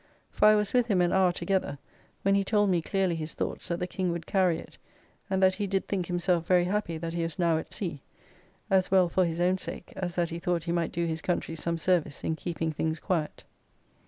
For I was with him an hour together, when he told me clearly his thoughts that the King would carry it, and that he did think himself very happy that he was now at sea, as well for his own sake, as that he thought he might do his country some service in keeping things quiet.